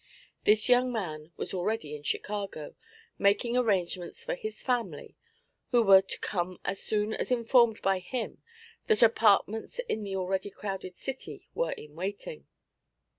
This young man was already in Chicago, making arrangements for his family, who were to come as soon as informed by him that apartments in the already crowded city were in waiting.